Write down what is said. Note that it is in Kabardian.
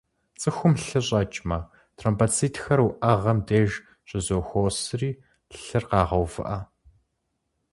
Цӏыхум лъы щӏэкӏмэ, тромбоцитхэр уӏэгъэм деж щызэхуосри, лъыр къагъэувыӏэ.